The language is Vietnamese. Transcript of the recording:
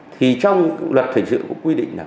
thì trong luật hình sự cũng quy định